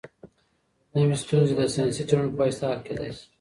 نوي ستونزي د ساینسي څېړنو په واسطه حل کيدای سي.